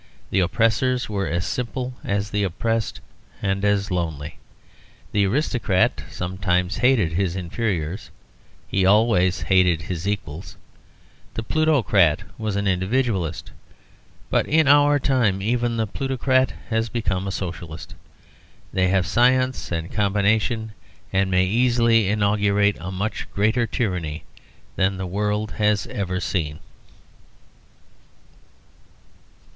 The oppressors were as simple as the oppressed, and as lonely. The aristocrat sometimes hated his inferiors; he always hated his equals. The plutocrat was an individualist. But in our time even the plutocrat has become a Socialist. They have science and combination, and may easily inaugurate a much greater tyranny than the world has ever seen.